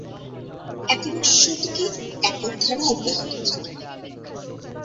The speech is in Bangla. একবিংশ শতকে একই ধারা অব্যাহত থাকে।